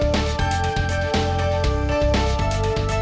gua mau ke sana